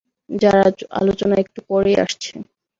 যার আলোচনা একটু পরেই আসছে।